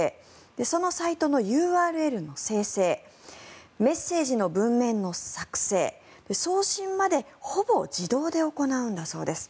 そのサイトのＵＲＬの生成メッセージの文面の作成送信までほぼ自動で行うんだそうです。